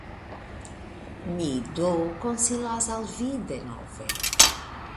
Mi do konsilas al vi denove.